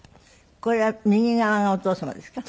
これは右側がお父様ですか？